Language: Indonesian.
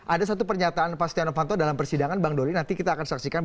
ada satu pernyataan pak setia novanto dalam persidangan bang dori nanti kita akan saksikan